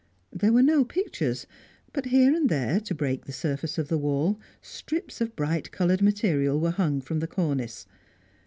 There were no pictures, but here and there, to break the surface of the wall, strips of bright coloured material were hung from the cornice.